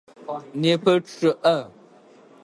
Непэ чъыӏэ.